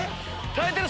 耐えてる！